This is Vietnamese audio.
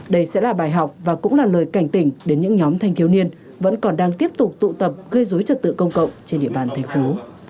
đây sẽ là bài học và cũng là lời cảnh tỉnh đến những nhóm thanh thiếu niên vẫn còn đang tiếp tục tụ tập gây dối trật tự công cộng trên địa bàn thành phố